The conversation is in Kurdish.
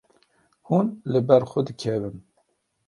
Hûn li ber xwe dikevin.